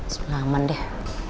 sebenernya aman deh